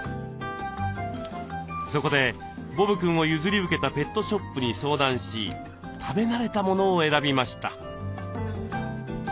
そこでボブくんを譲り受けたペットショップに相談し食べ慣れたものを選びました。